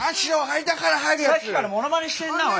さっきからモノマネしてんなお前。